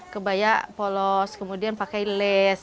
kebaya polos kemudian pakai les